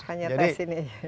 hanya tes ini